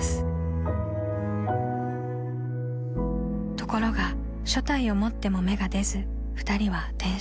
［ところが所帯を持っても芽が出ず２人は転職］